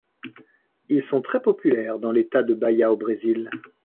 Ils sont très populaires dans l'État de Bahia au Brésil.